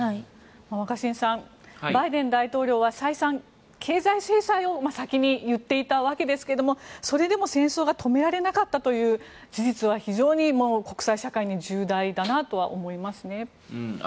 若新さんバイデン大統領は再三経済制裁を先に言っていたわけですがそれでも戦争が止められなかったという事実は非常に国際社会に重大だなとは思いますね。